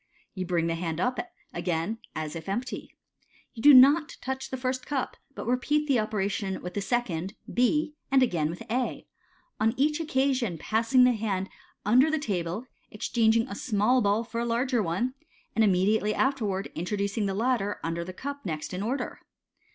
You bring the hand up again as if empty. You do not touch the first cup, but repeat the operation with the second, B, and again with A ; on each occasion of passing the hand under the table exchanging a small ball for a larger one, and immediately afterwards introducing the latter under the cup next in order.